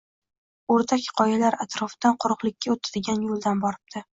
o‘rdak qoyalar atrofidan quruqlikka o‘tadigan yo‘ldan boribdi